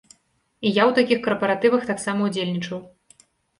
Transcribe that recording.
І я ў такіх карпаратывах таксама ўдзельнічаў.